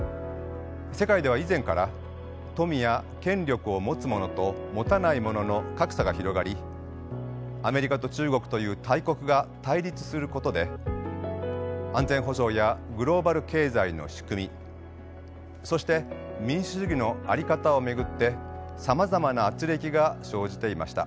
世界では以前から富や権力を持つ者と持たない者の格差が広がりアメリカと中国という大国が対立することで安全保障やグローバル経済の仕組みそして民主主義のあり方を巡ってさまざまな軋轢が生じていました。